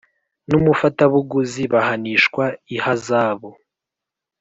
N umufatabuguzi bahanishwa ihazabu